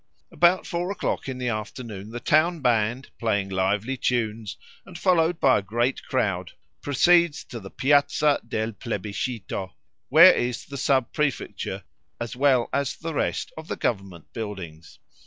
_ About four o'clock in the afternoon the town band, playing lively tunes and followed by a great crowd, proceeds to the Piazza del Plebiscito, where is the Sub Prefecture as well as the rest of the Government buildings.